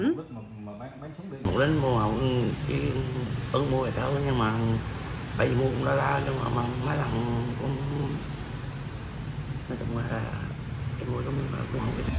chỉ ướng môi thì thôi nhưng mà bậy mụn ra ra nhưng mà mãi lòng cũng không biết